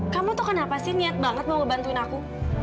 kamu tuh kenapa sih niat banget mau ngebantuin aku